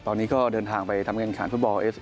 ตอนนี้ก็เดินทางไปทำงานฟุตบอลเอส